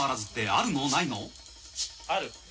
ある。